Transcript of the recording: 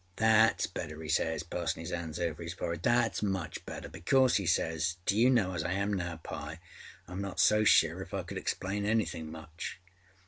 â âThatâs better,â âe says, passinâ âis hands over his forehead. âThatâs much better, because,â he says, âdo you know, as I am now, Pye, Iâm not so sure if I could explain anything much.